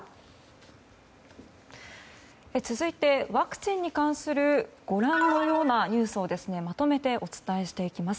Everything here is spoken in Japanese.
続いて、ワクチンに関するご覧のようなニュースをまとめてお伝えしていきます。